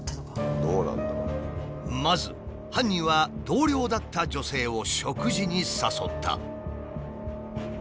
まず犯人は同僚だった女性を食事に誘った。